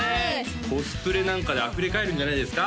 コスプレなんかであふれかえるんじゃないですか？